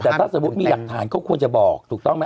แต่ถ้าสมมุติมีหลักฐานก็ควรจะบอกถูกต้องไหม